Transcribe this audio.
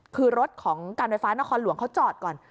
คือรถของการไฟฟ้านครหลวงเขาจอดก่อน